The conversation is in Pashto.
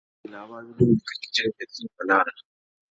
o ستا د ميني لاوا وينم، د کرکجن بېلتون پر لاره.